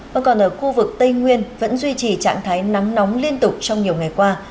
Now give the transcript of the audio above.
và còn ở khu vực tây nguyên vẫn duy trì trạng thái nắng nóng liên tục trong nhiều ngày qua